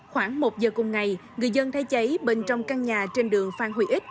khoảng một giờ cùng ngày người dân thấy cháy bên trong căn nhà trên đường phan huy ích